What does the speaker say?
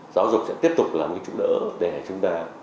giáo dục sẽ tiếp tục làm trụ đỡ để chúng ta